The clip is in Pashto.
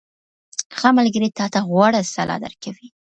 • ښه ملګری تا ته غوره سلا درکوي.